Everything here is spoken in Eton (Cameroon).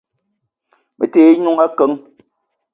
Me te ye n'noung akeng.